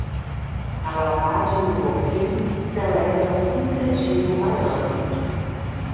A Lavagem do Bonfim celebra o sincretismo baiano